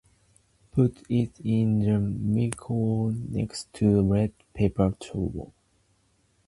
Put it in the microwave next to a wet paper towel.